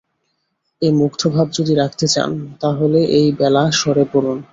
এই মুগ্ধভাব যদি রাখতে চান তা হলে এই বেলা সরে পড়ুন।